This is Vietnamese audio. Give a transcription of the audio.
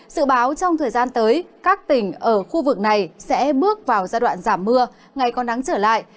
sự báo trong thời gian tới các tỉnh ở khu vực này sẽ bước vào giai đoạn giảm mưa ngày còn nắng trở lại